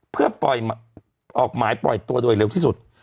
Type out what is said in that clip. เพื่อปล่อยออกหมายปล่อยตัวโดยเร็วที่สุด